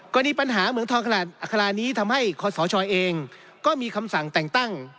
กรณีปัญหาเหมืองทองขนาดอัครานี้ทำให้คศเองก็มีคำสั่งแต่งตั้ง